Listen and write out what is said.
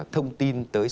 thông tin tới